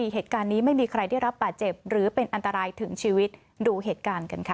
เหตุการณ์นี้ไม่มีใครได้รับบาดเจ็บหรือเป็นอันตรายถึงชีวิตดูเหตุการณ์กันค่ะ